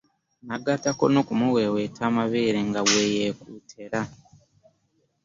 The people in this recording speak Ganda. Nagattako n'okumuweeweeta amabeere nga bwe yeekuteera.